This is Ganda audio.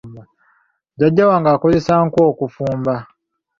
Jjajja wange akozesa nku okufumba.